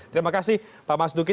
terima kasih pak mas duki